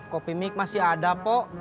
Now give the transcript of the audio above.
kopimik masih ada pok